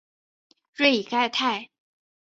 瑞伊盖泰。